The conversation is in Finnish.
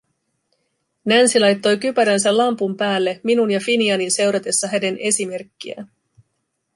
Nancy laittoi kypäränsä lampun päälle minun ja Finianin seuratessa hänen esimerkkiään.